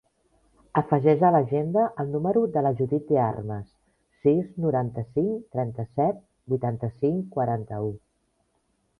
Afegeix a l'agenda el número de la Judith De Armas: sis, noranta-cinc, trenta-set, vuitanta-cinc, quaranta-u.